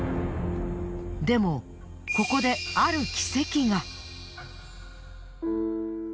でもここである奇跡が。